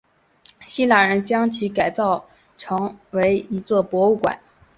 希腊人将其改为一座博物馆。